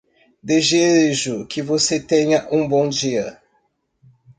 Desejo que você tenha um bom dia.